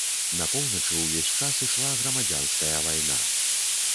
На поўначы ўвесь час ішла грамадзянская вайна.